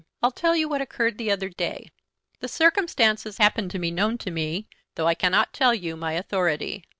I'll tell you what occurred the other day. The circumstances happen to be known to me, though I cannot tell you my authority.